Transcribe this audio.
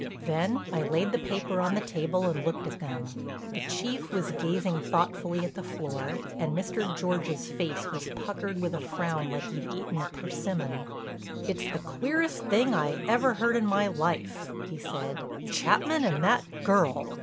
Then I laid the paper on the table and looked at them. The Chief was gazing thoughtfully at the floor, and Mr. George's face was puckered with a frown like he'd eaten a persimmon. "It's the queerest thing I ever heard in my life," he said. "Chapman and that girl!